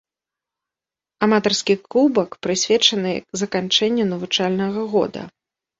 Аматарскі кубак прысвечаны заканчэнню навучальнага года.